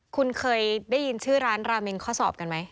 คุณเคยได้ยินชื่อร้านราเมงข้อสอบกันไหม